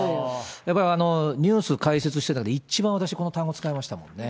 やっぱり、ニュース解説してて一番、私、この単語使いましたもんね。